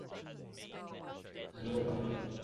When a tree has been consecrated by a priest it becomes holy.